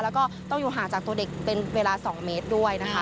แล้วก็ต้องอยู่ห่างจากตัวเด็กเป็นเวลา๒เมตรด้วยนะคะ